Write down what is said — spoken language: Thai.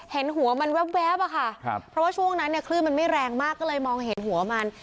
เห็นหัวมันแว๊บอะค่ะเพราะว่าช่วงนั้นเนี่ยคลื่นมันไม่แรงมากก็เลยมองเห็นหัวมัน